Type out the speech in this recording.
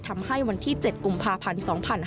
ทำให้วันที่๗กุมภาพันธ์๒๕๕๙